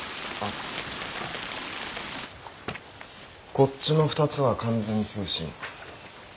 こっちの２つは完全通信。